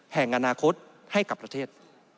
แห่งอนาคตให้กับประเทศ